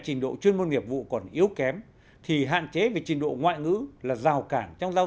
trình độ chuyên môn nghiệp vụ còn yếu kém thì hạn chế về trình độ ngoại ngữ là rào cản trong giao